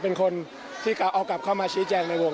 เป็นคนที่เขาเอากลับเข้ามาชี้แจงในวง